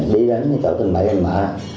đi đến chỗ tình bệnh mà